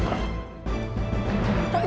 jadi gini pak